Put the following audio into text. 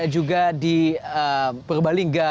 juga di perbalingga